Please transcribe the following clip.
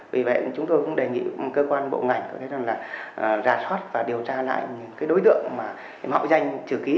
vì vậy chúng tôi cũng đề nghị cơ quan bộ ngành ra soát và điều tra lại cái đối tượng mà mạo danh chữ ký